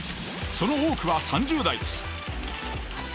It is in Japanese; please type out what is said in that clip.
その多くは３０代です。